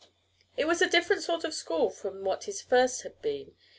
It was a different sort of school from what his first had been.